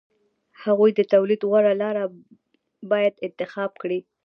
هغوی د تولید غوره لار باید انتخاب کړي